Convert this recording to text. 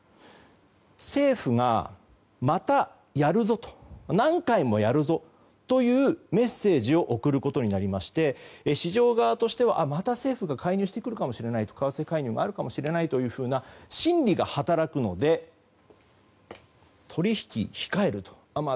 政府が、またやるぞと何回もやるぞというメッセージを送ることになりまして市場側としては、また政府が介入してくるかもしれないと為替介入があるかもしれないという心理が働くので取引控えると。